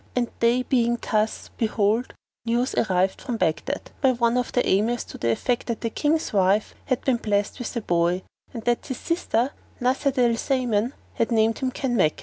And they being thus, behold, news arrived from Baghdad, by one of the Emirs to the effect that the King's wife had been blessed with a boy, and that his sister, Nuzhat al Zaman, had named him Kánmákán.